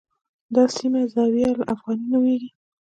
دا سیمه الزاویة الافغانیه نومېږي.